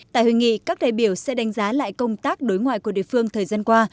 tại hội nghị các đại biểu sẽ đánh giá lại công tác đối ngoại của địa phương thời gian qua